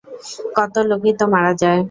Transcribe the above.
কত লোকই তো মারা যায়।